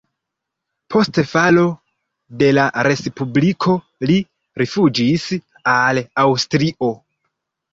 Post falo de la respubliko li rifuĝis al Aŭstrio.